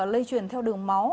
lây chuyển theo đường máu